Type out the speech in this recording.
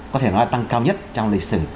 có thể nói tăng cao nhất trong lịch sử